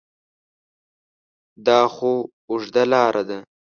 دا خو اوږده لاره ده ؟